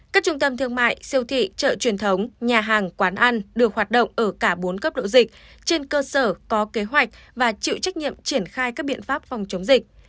các trung tâm thương mại siêu thị chợ truyền thống nhà hàng quán ăn được hoạt động ở cả bốn cấp độ dịch trên cơ sở có kế hoạch và chịu trách nhiệm triển khai các biện pháp phòng chống dịch